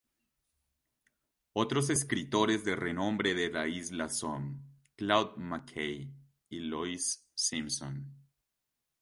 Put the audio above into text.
Otros escritores de renombre de la isla son Claude McKay y Louis Simpson.